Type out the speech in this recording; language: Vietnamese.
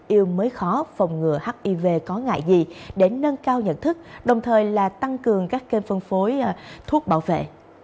yêu mới khó phòng ngừa hiv có ngại gì để nâng cao nhận thức đồng thời là tăng cường các kênh phân phối thuốc bảo vệ